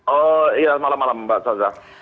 oh iya malam malam mbak saza